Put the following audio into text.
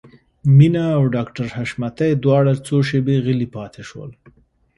مينه او ډاکټر حشمتي دواړه څو شېبې غلي پاتې شول.